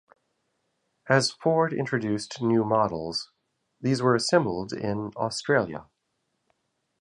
As Ford introduced new models, these were assembled in Australia.